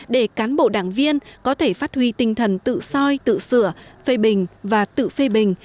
để cán bộ đảng viên có thể phát huy tinh thần tự soi tự sửa phê bình và tự phê bình